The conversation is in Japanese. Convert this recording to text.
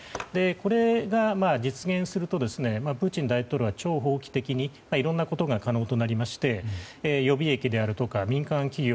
これが実現するとプーチン大統領は超法規的にいろんなことが可能となりまして予備役であるとか民間企業